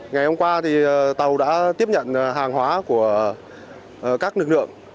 ngày hôm qua thì tàu đã tiếp nhận hàng hóa của các nước lượng